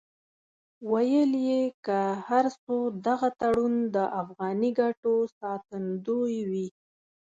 ویل یې که هر څو دغه تړون د افغاني ګټو ساتندوی وي.